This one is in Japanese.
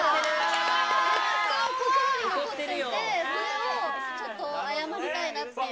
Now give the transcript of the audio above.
ずっと心に残ってて、それをちょっと、謝りたいなっていう。